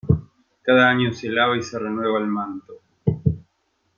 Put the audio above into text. Cada año se lava y se renueva el manto.